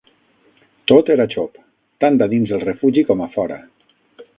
Tot era xop, tant a dins el refugi com a fora.